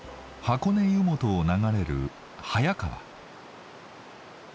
箱根湯本を流れる早川。